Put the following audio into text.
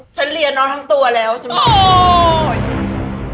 ฉันเรียนเนาททั้งตัวแล้วฉันไม่รู้หรอกโอ้โห